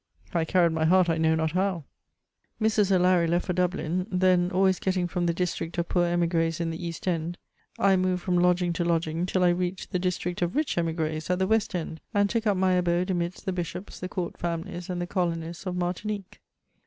I carried my heart 1 know not how. Mrs. O' Larry left for Dublin; then, always getting from the district of poor Smigris in the East end, I moved from lodging to lodging till I reached the district of rich emigres at the West end, and took up my abode amidst the bishops, the court families, and the colonists of Martinique.